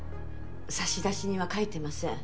差出人は書いてません。